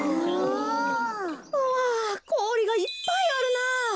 わこおりがいっぱいあるなぁ。